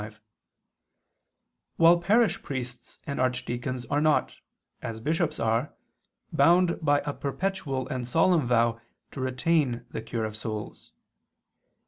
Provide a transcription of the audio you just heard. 5], while parish priests and archdeacons are not, as bishops are, bound by a perpetual and solemn vow to retain the cure of souls.